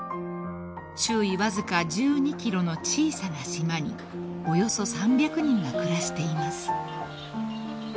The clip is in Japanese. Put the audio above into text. ［周囲わずか１２ｋｍの小さな島におよそ３００人が暮らしています］